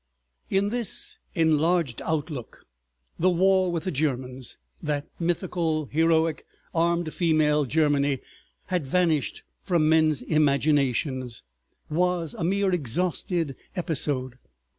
In this enlarged outlook the war with the Germans—that mythical, heroic, armed female, Germany, had vanished from men's imaginations—was a mere exhausted episode.